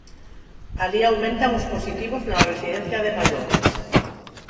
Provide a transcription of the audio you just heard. Alí aumentan os positivos na residencia de maiores.